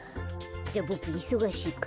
じゃあボクいそがしいから。